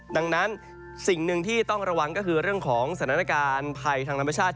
ดังนั้นสิ่งหนึ่งที่ต้องระวังก็คือเรื่องของสถานการณ์ภัยทางธรรมชาติ